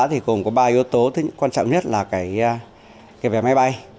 vài yếu tố quan trọng nhất là cái vé máy bay